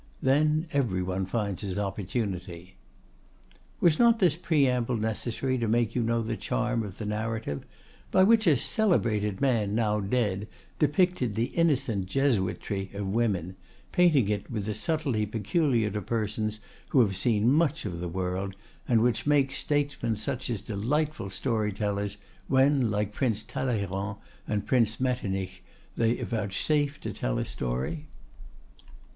Then every one finds his opportunity. Was not this preamble necessary to make you know the charm of the narrative, by which a celebrated man, now dead, depicted the innocent jesuistry of women, painting it with the subtlety peculiar to persons who have seen much of the world, and which makes statesmen such delightful storytellers when, like Prince Talleyrand and Prince Metternich, they vouchsafe to tell a story?